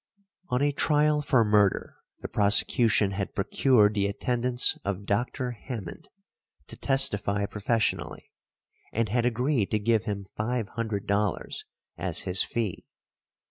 On a trial for murder the prosecution had procured the attendance of Dr. Hammond to testify professionally, and had agreed to give him $500 as his fee.